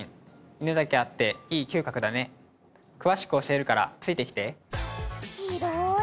犬だけあっていい嗅覚だね詳しく教えるからついてきて広ーい！